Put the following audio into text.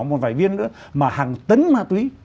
một vài viên nữa mà hàng tấn ma túy